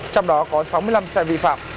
trong đó có sáu mươi năm xe vi phạm